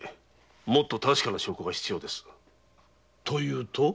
もっと確かな証拠が必要です。というと？